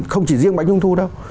không chỉ riêng bánh dung thu đâu